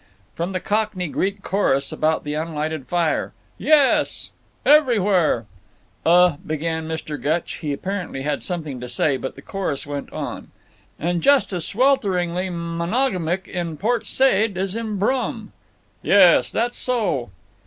From the Cockney Greek chorus about the unlighted fire: "Yes!" "Everywhere." "Uh—" began Mr. Gutch. He apparently had something to say. But the chorus went on: "And just as swelteringly monogamic in Port Said as in Brum." "Yes, that's so."